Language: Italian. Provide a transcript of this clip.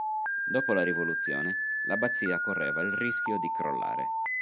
Dopo la Rivoluzione, l'abbazia correva il rischio di crollare.